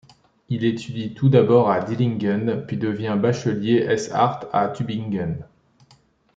Il étudie tout d'abord à Dillingen puis devient bachelier ès arts à Tübingen.